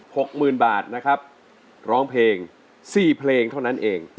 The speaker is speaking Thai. หกหมื่นบาทนะครับร้องเพลงสี่เพลงเท่านั้นเอง